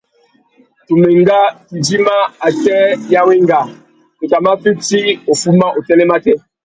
Tu mà enga tu idjima atê ya wenga, tu tà mà fiti uffuma utênê matê.